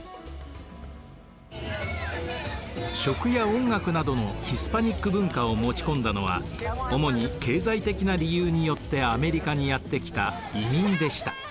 食や音楽などのヒスパニック文化を持ち込んだのは主に経済的な理由によってアメリカにやってきた移民でした。